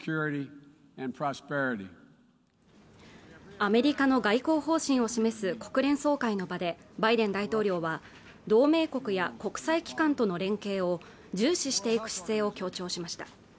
アメリカの外交方針を示す国連総会の場でバイデン大統領は同盟国や国際機関との連携を重視していく姿勢を強調しました